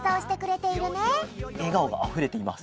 えがおがあふれています。